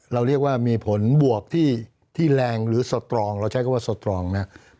เราเรียกว่ามีผลบวกที่แรงหรือสตรองเราใช้คำว่าสตรองนะครับ